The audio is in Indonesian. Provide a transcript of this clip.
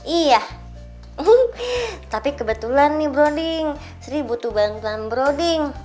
iya tapi kebetulan nih broding sri butuh bangsa broding